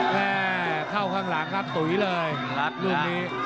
แม่เข้าข้างหลังครับตุ๋ยเลยรัดลูกนี้